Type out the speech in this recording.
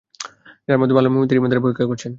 যার মাধ্যমে আল্লাহ মুমিনদের ঈমানের পরীক্ষা করেছেন।